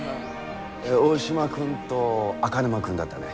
大島君と赤沼君だったね。